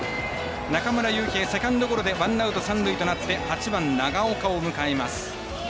中村悠平、セカンドゴロでワンアウト、三塁となって８番、長岡を迎えます。